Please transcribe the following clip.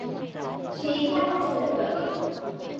সেইখানে চলে গেল।